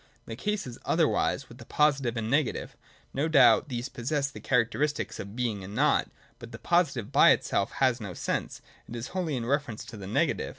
The case is otherwise with the Positive and the Negative. No doubt these possess the characteristic of Being and Nought. But the positive by itself has no sense ; it is wholly in reference to the negative.